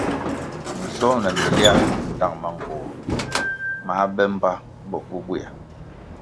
Minschuom na minliár ndtang manğoh má be mbpa bo bubuea.